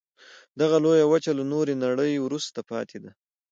دغه لویه وچه له نورې نړۍ وروسته پاتې ده.